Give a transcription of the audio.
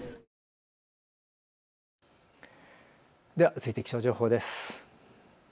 続いて気象情報です。